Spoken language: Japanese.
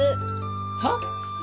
はっ？